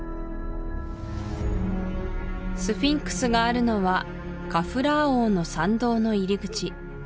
スフィンクスがあるのはカフラー王の参道の入り口